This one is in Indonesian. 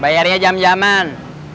bayarin aja jam jaman